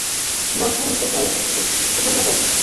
বর্ষা অন্তে প্রায় শুকাইয়া যায়।